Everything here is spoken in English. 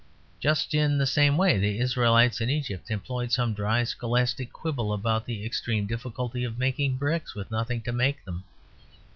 Just in the same way the Israelites in Egypt employed some dry scholastic quibble about the extreme difficulty of making bricks with nothing to make them of.